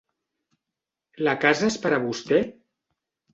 La casa és per a vostè?